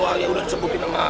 ya sudah disebutin pak